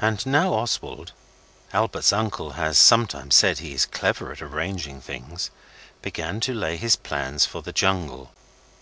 And now Oswald Albert's uncle has sometimes said he is clever at arranging things began to lay his plans for the jungle.